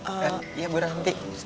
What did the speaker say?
eh ya buranti